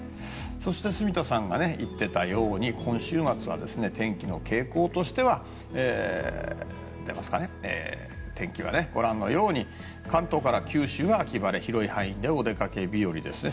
そして住田さんが言っていたように今週末は天気の傾向としてはご覧のように関東から九州は秋晴れ広い範囲でお出かけ日和ですね。